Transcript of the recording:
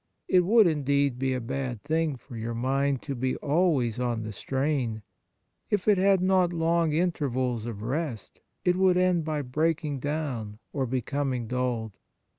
It would, indeed, be a bad thing for your mind to be always on the strain ; if it had not long intervals of rest, it would end by breaking down or becoming dulled.